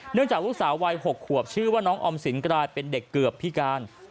จากลูกสาววัย๖ขวบชื่อว่าน้องออมสินกลายเป็นเด็กเกือบพิการ